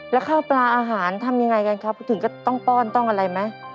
แล้วข้าวปลาอาหารทำยังไงกันครับถึงก็ต้องป้อนต้องอะไรไหม